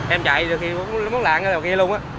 em chạy thì nó mất lạng ở kia luôn